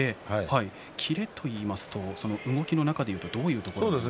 キレといいますと動きの中のどういうところですか。